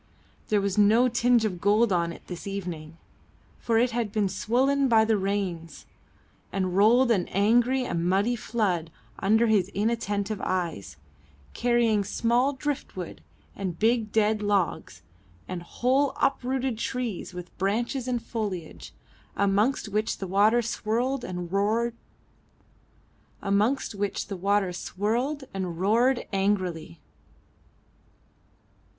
There was no tinge of gold on it this evening, for it had been swollen by the rains, and rolled an angry and muddy flood under his inattentive eyes, carrying small drift wood and big dead logs, and whole uprooted trees with branches and foliage, amongst which the water swirled and roared angrily.